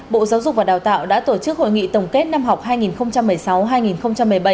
bộ giáo dục và đào tạo đã tổ chức hội nghị tổng kết năm học hai nghìn một mươi sáu hai nghìn một mươi bảy